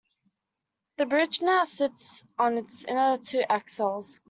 The bridge now sits on its inner two axles.